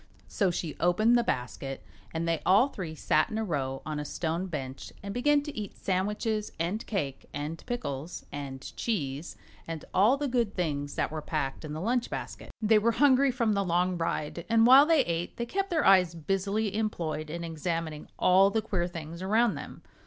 So she opened the basket and they all three sat in a row on a stone bench and began to eat sandwiches and cake and pickles and cheese and all the good things that were packed in the lunch basket. They were hungry from the long ride, and while they ate they kept their eyes busily employed in examining all the queer things around them.